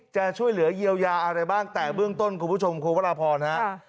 จะช่วยเหลือเยียวยาอะไรบ้างแต่เบื้องต้นคุณผู้ชมคุณพระราพรฮะ